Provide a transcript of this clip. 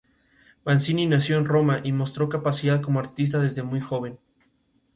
Mancini nació en Roma y mostró capacidad como artista desde muy joven.